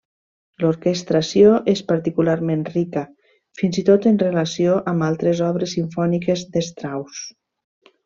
L'orquestració és particularment rica, fins i tot en relació amb altres obres simfòniques de Strauss.